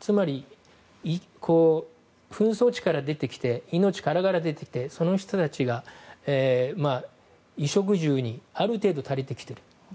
つまり、紛争地から命からがら出てきてその人たちが衣食住にある程度、足りてきている。